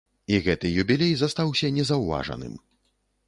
І гэты юбілей застаўся незаўважаным.